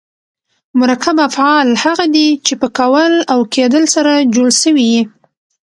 مرکب افعال هغه دي، چي په کول او کېدل سره جوړ سوي یي.